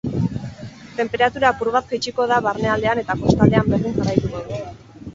Tenperatura apur bat jaitsiko da barnealdean eta kostaldean berdin jarraituko du.